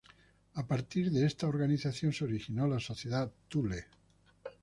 A partir de esta organización se originó la Sociedad Thule.